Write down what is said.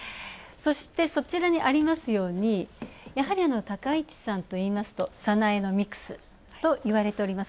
そして、そちらにありますように、やはり高市さんですとサナエノミクスといわれております。